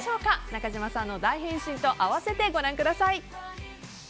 中島さんの大変身と合わせてご覧ください。